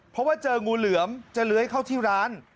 เพราะว่าเจองูเหลือมจะเลื้อยเข้าที่ร้าน